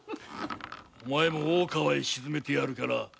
お前も大川へ沈めてやる故